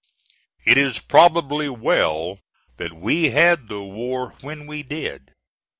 It is probably well that we had the war when we did.